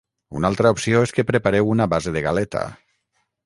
Una altra opció és que prepareu una base de galeta